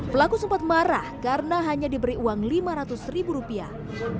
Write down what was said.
pelaku sempat marah karena hanya diberi uang lima ratus ribu rupiah